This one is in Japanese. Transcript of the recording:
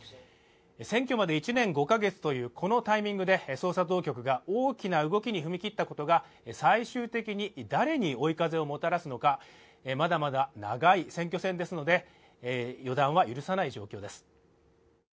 選挙まで１年５か月というこのタイミングで捜査当局が大きな動きに踏み切ったのが最終的に誰に追い風をもたらすんかまだまだ長い選挙戦ですので余談は許さない状況です。